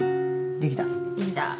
できた。